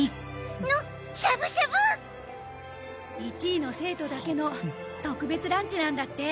１位の生徒だけの特別ランチなんだって。